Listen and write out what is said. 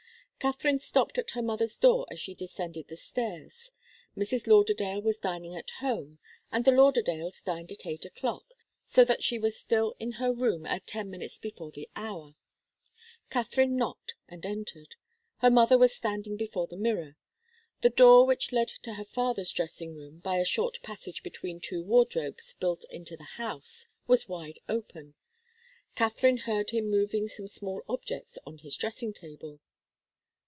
Katharine stopped at her mother's door as she descended the stairs. Mrs. Lauderdale was dining at home, and the Lauderdales dined at eight o'clock, so that she was still in her room at ten minutes before the hour. Katharine knocked and entered. Her mother was standing before the mirror. The door which led to her father's dressing room, by a short passage between two wardrobes built into the house, was wide open. Katharine heard him moving some small objects on his dressing table.